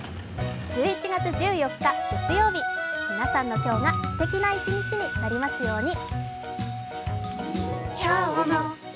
１１月１４日、月曜日皆さんの今日がすてきな一日になりますように。